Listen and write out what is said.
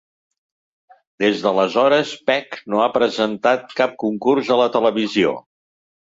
Des d'aleshores, Peck no ha presentat cap concurs a la televisió.